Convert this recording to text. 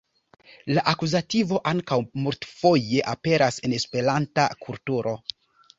La akuzativo ankaŭ multfoje aperas en Esperanta kulturo.